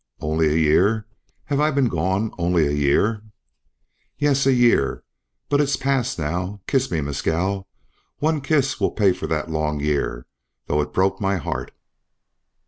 "Only a year! Have I been gone only a year?" "Yes, a year. But it's past now. Kiss me, Mescal. One kiss will pay for that long year, though it broke my heart."